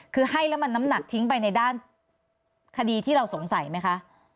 คือให้แล้วมันน้ำหนักทิ้งไปในด้านคดีที่เราสงสัยไหมคะ